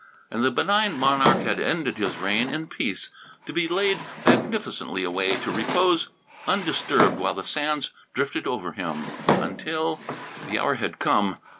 And the benign monarch had ended his reign in peace, to be laid magnificently away, to repose undisturbed while the sands drifted over him until The hour had come.